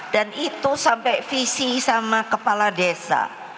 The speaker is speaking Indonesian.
dan itu sampai visi sama kepala desa